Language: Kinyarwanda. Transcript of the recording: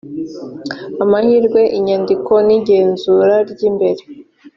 amahirwe inyandiko n igenzura ry imbere